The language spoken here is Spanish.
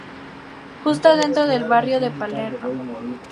Justo, dentro del barrio de Palermo.